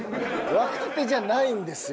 若手じゃないんですよ。